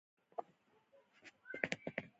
په داخلي جګړو کې په میلیونونو نور انسانان هم ووژل شول.